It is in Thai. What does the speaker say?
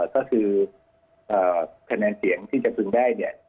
ก็คือคะแนนเสียงที่จะพึงได้เนี่ย